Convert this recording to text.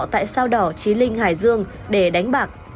tại sao đỏ trí linh hải dương để đánh bạc